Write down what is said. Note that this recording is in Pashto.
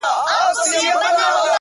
د سيند پر غاړه؛ سندريزه اروا وچړپېدل؛